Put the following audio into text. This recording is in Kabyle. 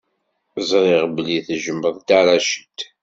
Ẓriɣ belli tejjmeḍ Dda Racid.